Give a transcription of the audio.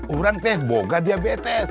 orang teh boga diabetes